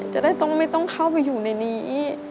จะได้ไม่ต้องเข้าไปอยู่ในนี้